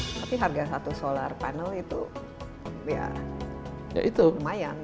tapi harga satu solar panel itu ya lumayan